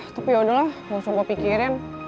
tapi yaudahlah langsung gue pikirin